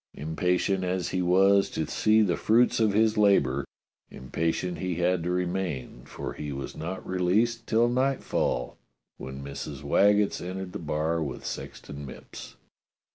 Impa tient as he was to see the fruits of his labour, impatient he had to remain, for he was not released till nightfall, when Mrs. Waggetts entered the bar with Sexton Mipps.